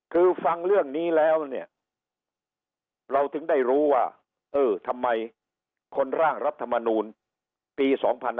คือฟังเรื่องนี้แล้วเนี่ยเราถึงได้รู้ว่าเออทำไมคนร่างรัฐมนูลปี๒๕๕๙